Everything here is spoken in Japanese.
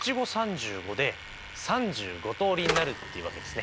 ３５通りになるっていうわけですね。